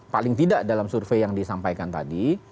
paling tidak dalam survei yang disampaikan tadi